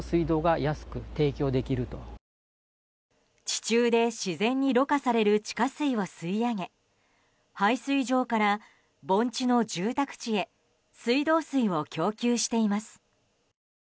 地中で自然にろ過される地下水を吸い上げ配水場から、盆地の住宅地へ水道水を供給しています。